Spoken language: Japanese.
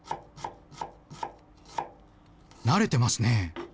慣れてますね。